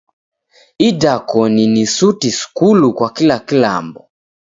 Idakoni ni suti skulu kwa kula kilambo!